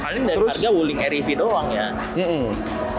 paling dari harga wuling rev doang ya